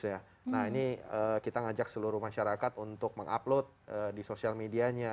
nah ini kita ngajak seluruh masyarakat untuk mengupload di sosial medianya